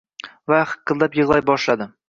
va hiqillab yig'lay boshladi.